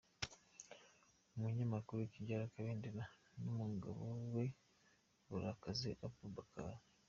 Umunyamakuru Tidjara Kabendera n’umugabo we Burakazi Aboubakar.